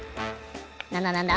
なんだなんだ？